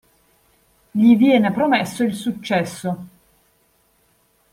Gli viene promesso il successo.